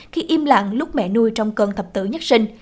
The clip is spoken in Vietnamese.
khi im lặng lúc mẹ nuôi trong cơn thập tử nhất sinh